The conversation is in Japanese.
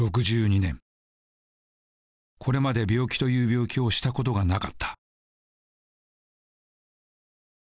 これまで病気という病気をしたことがなかった。